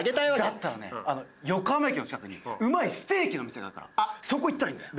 だったらね横浜駅の近くにうまいステーキの店があるからそこ行ったらいいんだよ。